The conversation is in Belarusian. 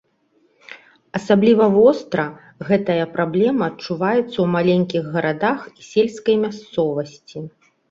Асабліва востра гэтая праблема адчуваецца ў маленькіх гарадах і сельскай мясцовасці.